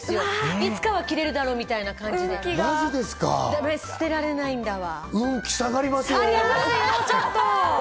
いつかは着れるだろうみたいな感じで、捨てられないんだわ。